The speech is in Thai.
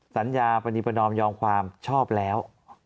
สัญญาปณีประนอมยอมความชอบแล้ว